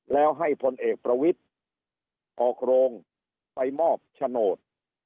แล้วให้พลเอกประวิทธิ์ออกโรงไปมอบโฉนด